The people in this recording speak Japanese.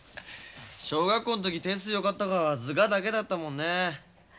小学校の時点数よかったがは図画だけだったもんね。